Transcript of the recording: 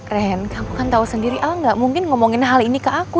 ren aku kan tahu sendiri al gak mungkin ngomongin hal ini ke aku